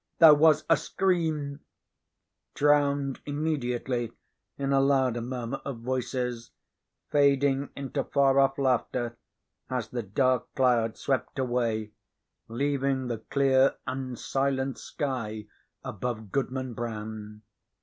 There was a scream, drowned immediately in a louder murmur of voices, fading into far off laughter, as the dark cloud swept away, leaving the clear and silent sky above Goodman Brown.